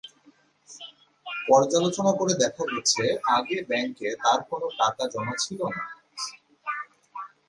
পর্যালোচনা করে দেখা গেছে, আগে ব্যাংকে তাঁর কোনো টাকা জমা ছিল না।